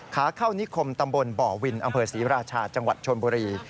ขาเข้านิคมตำบลบ่อวินอำเภอศรีราชาจังหวัดชนบุรี